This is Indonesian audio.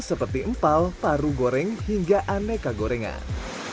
seperti empal paru goreng hingga aneka gorengan